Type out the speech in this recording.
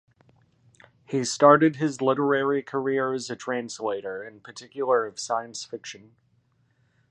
He started his literary career as a translator, in particular, of science fiction.